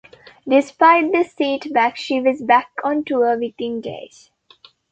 Despite this setback, she was back on tour within days.